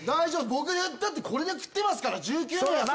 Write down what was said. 僕言ったってこれで食ってますから１９年。